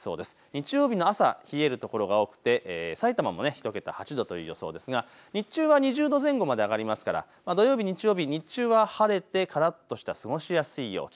日曜日の朝、冷える所が多くて、さいたまも１桁、８度という予想ですが日中は２０度前後まで上がりますから土曜日、日曜日日中は晴れてからっとした過ごしやすい陽気。